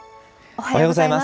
おはようございます。